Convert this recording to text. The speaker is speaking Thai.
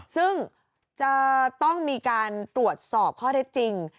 ซึ่งจะต้องมีการตรวจสอบข้อเท็จจริง